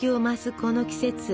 この季節